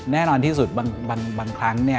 แน่นอนที่สุดบางครั้งเนี่ย